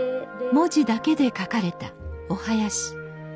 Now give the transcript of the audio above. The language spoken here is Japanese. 文字だけで書かれたお囃子。